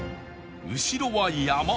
後ろは山